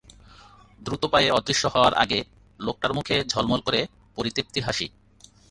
দ্রুত পায়ে অদৃশ্য হওয়ার আগে লোকটার মুখে ঝলমল করে পরিতৃপ্তির হাসি।